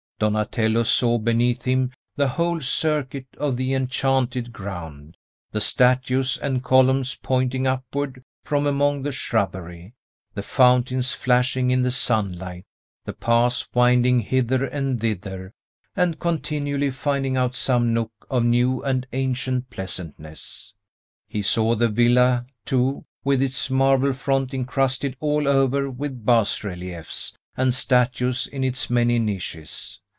Donatello saw beneath him the whole circuit of the enchanted ground; the statues and columns pointing upward from among the shrubbery, the fountains flashing in the sunlight, the paths winding hither and thither, and continually finding out some nook of new and ancient pleasantness. He saw the villa, too, with its marble front incrusted all over with basreliefs, and statues in its many niches.